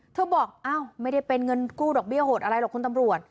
บอกอ้าวไม่ได้เป็นเงินกู้ดอกเบี้ยโหดอะไรหรอกคุณตำรวจ